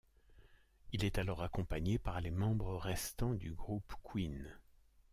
Il est alors accompagné par les membres restants du groupe Queen.